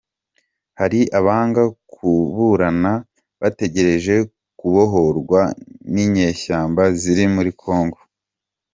Hari abanga kuburana bategereje kubohorwa N’inyeshyamba ziri Muri Kongo